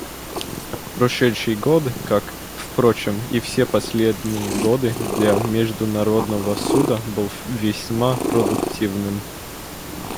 Прошедший год, как, впрочем, и все последние годы, для Международного Суда был весьма продуктивным.